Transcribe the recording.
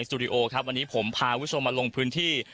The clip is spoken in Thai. ตูดิโอครับวันนี้ผมพาคุณผู้ชมมาลงพื้นที่